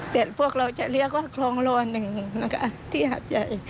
เดินพวกเราจะเรียกว่ากลองโลนหนึ่งที่หาดใหญ่